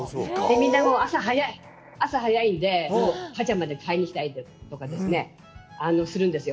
みんな朝早いので、パジャマで買いにきたりとかするんですよ。